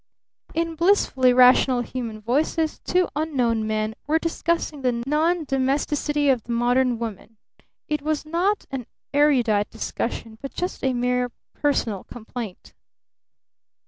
In blissfully rational human voices two unknown men were discussing the non domesticity of the modern woman. It was not an erudite discussion, but just a mere personal complaint.